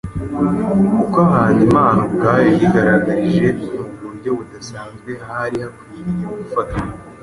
uko ahantu Imana ubwayo yigaragarije mu buryo budasanzwe hari hakwiriye gufatwa.